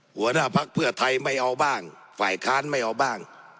หัวหน้าพักเพื่อไทยไม่เอาบ้างฝ่ายค้านไม่เอาบ้าง